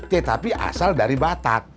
tetapi asal dari batak